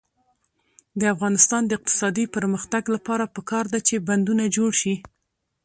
د افغانستان د اقتصادي پرمختګ لپاره پکار ده چې بندونه جوړ شي.